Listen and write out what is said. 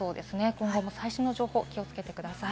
今後も最新の情報を気をつけてください。